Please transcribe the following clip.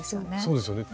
そうですよね。